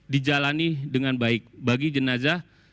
dijalani dengan baik bagi jenazah